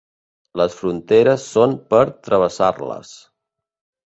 Les fronteres són per travessar-les.